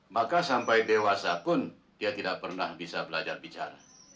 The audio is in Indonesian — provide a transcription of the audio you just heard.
maka sampai dewasa pun dia tidak pernah bisa belajar bicara